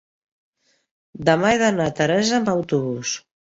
Demà he d'anar a Teresa amb autobús.